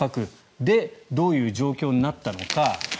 で、どういう状況になったのか。